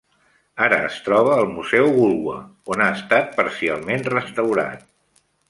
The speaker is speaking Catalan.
Ara es troba al museu Goolwa, on ha estat parcialment restaurat.